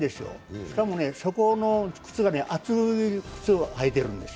しかも、底の靴が厚い靴を履いているんですよ。